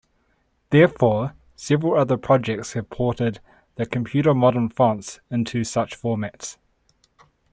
Therefore, several other projects have ported the Computer Modern fonts into such formats.